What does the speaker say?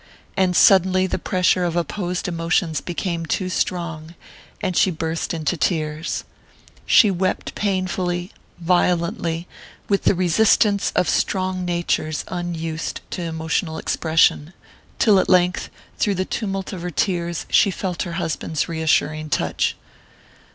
And suddenly the pressure of opposed emotions became too strong, and she burst into tears. She wept painfully, violently, with the resistance of strong natures unused to emotional expression; till at length, through the tumult of her tears, she felt her husband's reassuring touch.